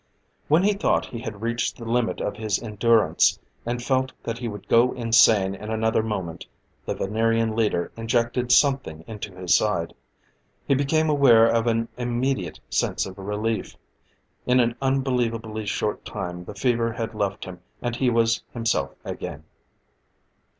When he thought he had reached the limit of his endurance, and felt that he would go insane in another moment, the Venerian leader injected something into his side. He became aware of an immediate sense of relief; in an unbelievably short time the fever had left him and he was himself again.